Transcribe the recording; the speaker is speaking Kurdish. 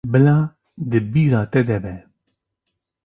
Bila di bîra te de be.